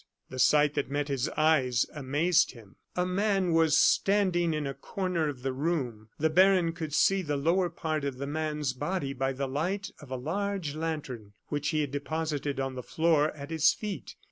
The sight that met his eyes amazed him. A man was standing in a corner of the room. The baron could see the lower part of the man's body by the light of a large lantern which he had deposited on the floor at his feet.